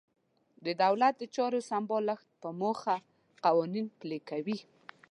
د دولت د چارو سمبالښت په موخه قوانین پلي کوي.